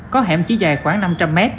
có hẻm chỉ dài khoảng năm trăm linh m